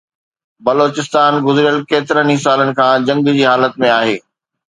بلوچستان گذريل ڪيترن ئي سالن کان جنگ جي حالت ۾ آهي